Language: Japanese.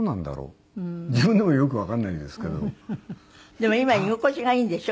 でも今居心地がいいんでしょ？